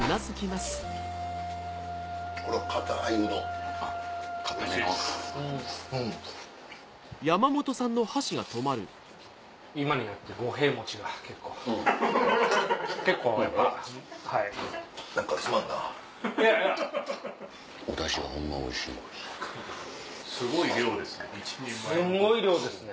すんごい量ですね。